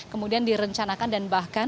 kemudian direncanakan dan direncanakan